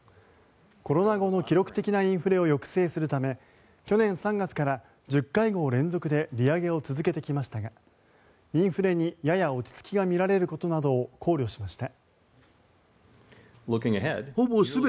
コロナ後の記録的なインフレを抑制するため去年３月から１０会合連続で利上げを続けてきましたがインフレに、やや落ち着きが見られることなどを考慮しました。